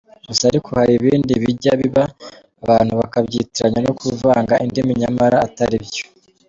Gusa ariko, hari ibindi bijya biba abantu bakabyitiranya no kuvanga indimi nyamara atari byo.